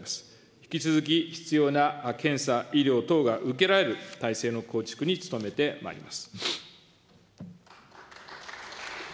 引き続き必要な検査、医療等が受けられる体制の構築に努めてまいります。